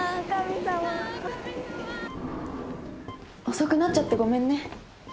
遅くなっちゃってごめんね。